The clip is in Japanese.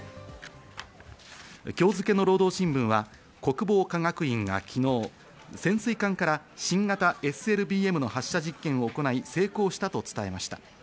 今日付の労働新聞は国防科学院が昨日、潜水艦から新型ＳＬＢＭの発射実験を行い成功したと伝えました。